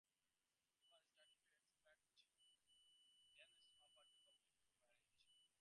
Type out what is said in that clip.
He was instructed to accept any Danish offer to complete the marriage.